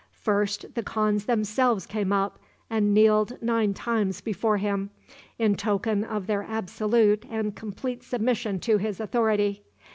First the khans themselves came up, and kneeled nine times before him, in token of their absolute and complete submission to his authority.